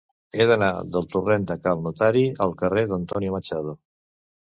He d'anar del torrent de Cal Notari al carrer d'Antonio Machado.